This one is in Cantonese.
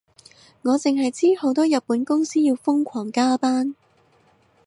我淨係知好多日本公司要瘋狂加班